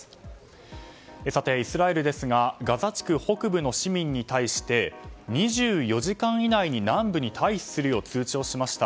イスラエルですがガザ地区北部の市民に対して、２４時間以内に南部に退避するよう通知をしました。